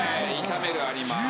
炒めるあります。